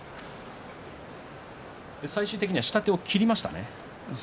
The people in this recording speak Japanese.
最終的に下手を切りましたね。